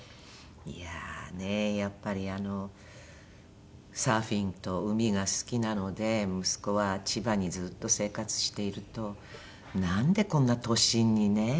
いやあねやっぱりあのサーフィンと海が好きなので息子は千葉にずっと生活しているとなんでこんな都心にね。